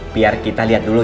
biar kita liat dulu ya